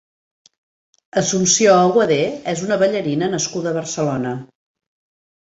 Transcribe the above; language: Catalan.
Assumpció Aguadé és una ballarina nascuda a Barcelona.